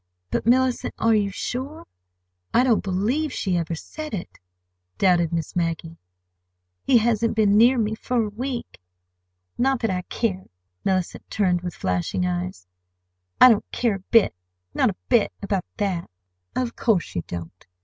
"But, Mellicent, are you sure? I don't believe she ever said it," doubted Miss Maggie. "He hasn't been near me—for a week. Not that I care!" Mellicent turned with flashing eyes. "I don't care a bit—not a bit—about that!" "Of course you don't!